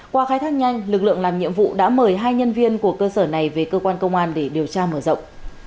qua khai thác nhanh lực lượng làm nhiệm vụ đã mời hai nhân viên của cơ sở này về cơ quan công an để điều tra mở rộng